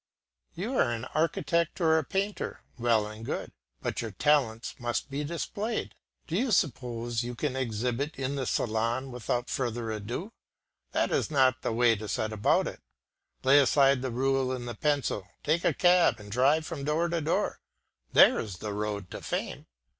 You are an architect or a painter; well and good; but your talents must be displayed. Do you suppose you can exhibit in the salon without further ado? That is not the way to set about it. Lay aside the rule and the pencil, take a cab and drive from door to door; there is the road to fame.